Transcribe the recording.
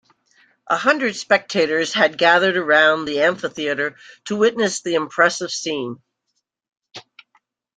A hundred spectators had gathered around the amphitheater to witness the impressive scene.